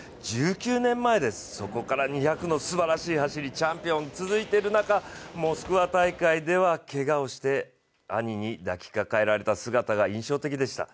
１９年前です、そこから２００のすばらしい走り、チャンピオン続いている中、モスクワ大会ではけがをして、兄に抱きかかえられた姿が印象的でした。